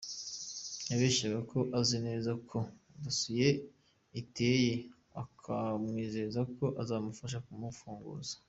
Yabeshyaga ko azi neza uko dosiye iteye akamwizeza ko azamufasha kumufunguza.